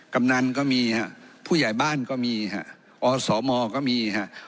กำนันก็มีฮะผู้ใหญ่บ้านก็มีฮะอสมก็มีฮะ